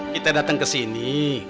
kita datang ke sini